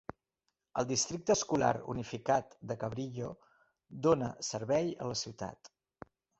El districte escolar unificat de Cabrillo dóna servei a la ciutat.